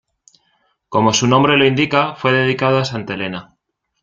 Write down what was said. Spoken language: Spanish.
Como su nombre lo indica fue dedicado a Santa Elena.